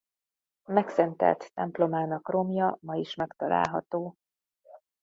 Megszentelt templomának romja ma is megtalálható.